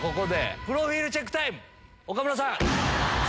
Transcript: プロフィールチェックタイム。